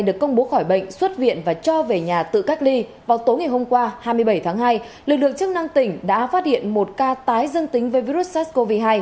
được công bố khỏi bệnh xuất viện và cho về nhà tự cách ly vào tối ngày hôm qua hai mươi bảy tháng hai lực lượng chức năng tỉnh đã phát hiện một ca tái dương tính với virus sars cov hai